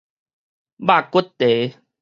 肉骨茶